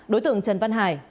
đối tượng trần văn hải